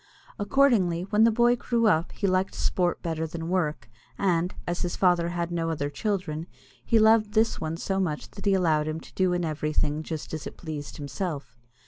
Accordingly, when the boy grew up he liked sport better than work, and, as his father had no other children, he loved this one so much that he allowed him to do in everything just as it pleased himself.